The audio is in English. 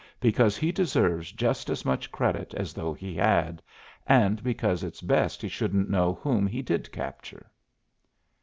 Because he deserves just as much credit as though he had, and because it's best he shouldn't know whom he did capture."